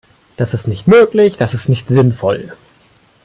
Das ist nicht möglich, das ist nicht sinnvoll.